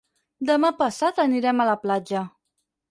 Demà passat anirem a la platja.